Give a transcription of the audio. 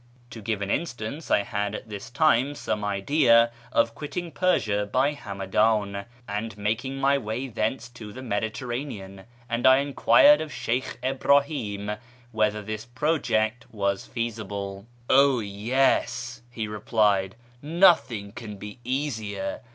To give an instance, I had at this time some idea of quitting Persia by Hamadan, and making my way thence to the Mediterranean, and I enquired of Sheykh Ibrahim whether this project were feasible. " Oh yes," he replied, " nothing can be easier.